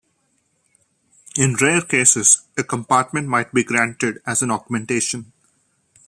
In rare cases, a compartment might be granted as an augmentation.